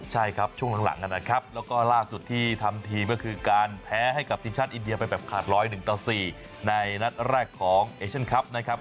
ให้กับทีมชาติอินเดียไปแบบขาดร้อย๑๔ในนัดแรกของเอเชียนคลับนะครับ